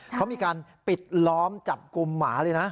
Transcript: เขามีการปิดล้อมจับกลุ่มหมาเลยนะ